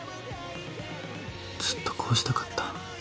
ずっとこうしたかった。